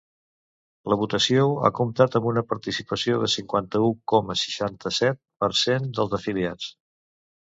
La votació ha comptat amb una participació del cinquanta-u coma seixanta-set per cent dels afiliats.